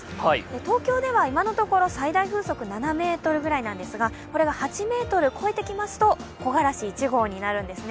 東京では今のところ最大風速７メートルくらいなんですが、これが８ｍ超えてきますと木枯らし一号になるんですね。